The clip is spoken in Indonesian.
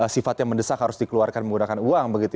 sifatnya mendesak harus dikeluarkan menggunakan uang begitu ya